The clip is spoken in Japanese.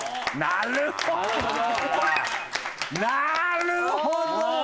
なるほど！